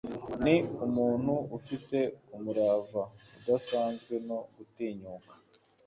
ni umuntu ufite umurava udasanzwe no gutinyuka